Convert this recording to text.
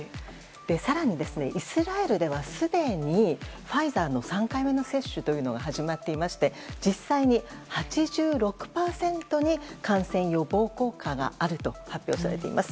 更に、イスラエルではすでにファイザーの３回目の接種が始まっていまして実際に８６％に感染予防効果があると発表されています。